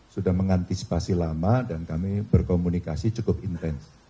sudah mengantisipasi lama dan kami berkomunikasi cukup intens